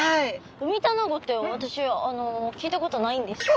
ウミタナゴって私あの聞いたことないんですけど。